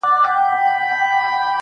سر او بر یې ګوره مه بس ټولوه یې ،